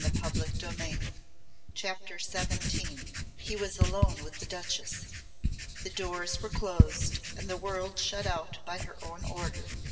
"I will believe you." CHAPTER XVII He was alone with the Duchess. The doors were closed, and the world shut out by her own order.